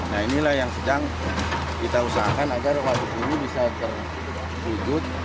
nah inilah yang sedang kita usahakan agar waduk ini bisa terwujud